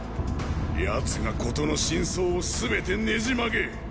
奴が事の真相を全てねじ曲げ